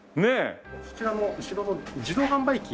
そちらの後ろの自動販売機。